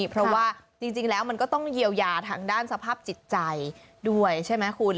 เพราะว่าจริงแล้วมันก็ต้องเยียวยาทางด้านสภาพจิตใจด้วยใช่ไหมคุณ